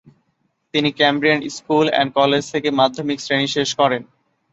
তিনি Cambrian school and কলেজে থেকে মাধ্যমিক শ্রেণী শেষ করেন।